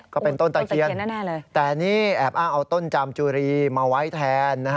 ก็เป็นต้นตะเคียนแต่นี่แอบอ้างเอาต้นจามจุรีมาไว้แทน